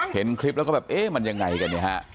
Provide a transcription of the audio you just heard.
เห็นคลิปแล้วก็แบบเอ๊ะมันยังไงกันเนี่ยฮะ